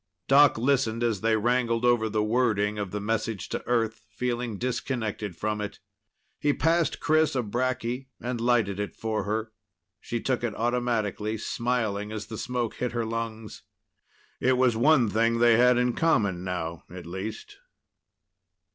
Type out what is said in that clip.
Doc listened as they wrangled over the wording of the message to Earth, feeling disconnected from it. He passed Chris a bracky and lighted it for her. She took it automatically, smiling as the smoke hit her lungs. It was one thing they had in common now, at least.